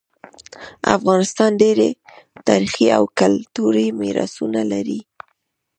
افغانستان ډیر تاریخي او کلتوری میراثونه لري